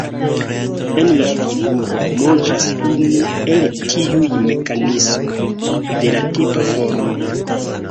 En la figuro montras unu el tiuj mekanismoj, de la tipa formo.